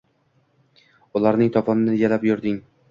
Ularning tovonini yalab yurding?!